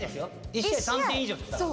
１試合３点以上ですから。